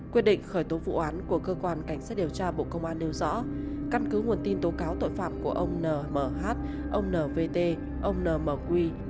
quyết định khởi tố vụ án của cơ quan cảnh sát điều tra bộ công an nêu rõ căn cứ nguồn tin tố cáo tội phạm của ông nhh ông nvt ông nmq